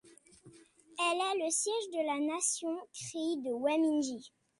Elle est le siège de la Nation crie de Wemindji.